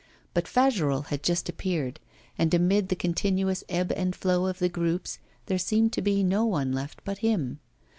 But Fagerolles had just appeared, and amid the continuous ebb and flow of the groups there seemed to be no one left but him.